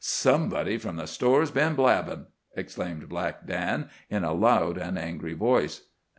"Somebody from the store's been blabbin'," exclaimed Black Dan, in a loud and angry voice.